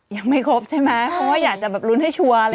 ยังไม่ครบใช่ไหมเพราะว่าอยากจะแบบลุ้นให้ชัวร์